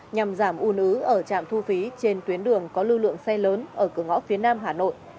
nhằm giảm u nứ ở trạm thu phí trên tuyến đường có lưu lượng xe lớn ở cửa ngõ phía nam hà nội